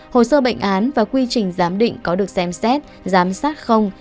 hồ sơ bệnh án và quy trình giám định có được xem xét giám sát không